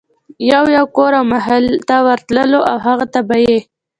يو يو کور او محلې ته ورتلو او هغوی ته به ئي